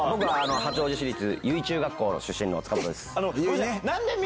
八王子市立由井中学校の出身の塚本です。